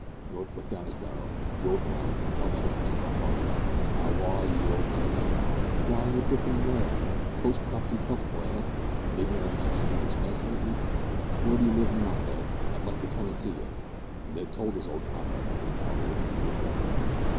North let down his barrow, wheeled round, and held out his hand with a hearty, "how are 'ee, old man? W'y you're lookin' well, close cropped an' comfortable, eh! Livin' at Her Majesty's expense lately? Where d'ee live now, Ned? I'd like to come and see you." Ned told his old comrade the locality of his new abode.